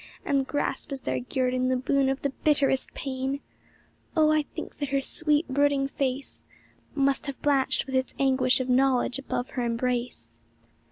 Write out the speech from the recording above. And grasp as their guerdon the boon of the bitterest pain, Oh, I think that her sweet, brooding face Must have blanched with its anguish of knowledge above her embrace.